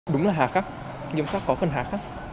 đúng là hạ khắc nghiêm khắc có phần hạ khắc